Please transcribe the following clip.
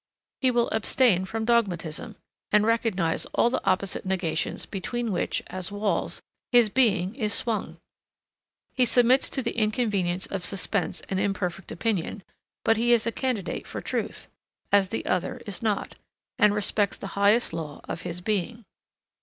He will abstain from dogmatism, and recognize all the opposite negations between which, as walls, his being is swung. He submits to the inconvenience of suspense and imperfect opinion, but he is a candidate for truth, as the other is not, and respects the highest law of his being.